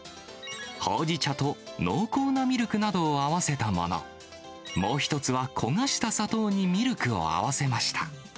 ほうじ茶と濃厚なミルクなどを合わせたもの、もう１つは焦がした砂糖にミルクを合わせました。